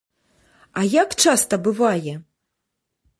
А як часта бывае?